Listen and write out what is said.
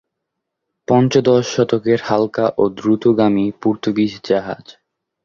পঞ্চদশ শতকের হালকা ও দ্রুতগামী পর্তুগীজ জাহাজ।